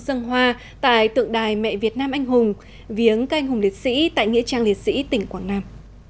dân hòa tại tượng đài mẹ việt nam anh hùng viếng các anh hùng liệt sĩ tại nghĩa trang liệt sĩ tỉnh quảng nam